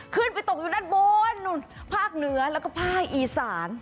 ขึ้นไปตกอยู่ด้านบนนู่นภาคเหนือแล้วก็ภาคอีสาน